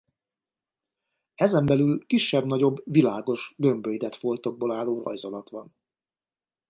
Ezen belül kisebb-nagyobb világos gömbölyded foltokból álló rajzolat van.